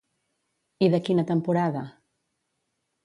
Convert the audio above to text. I de quina temporada?